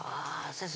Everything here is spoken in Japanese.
先生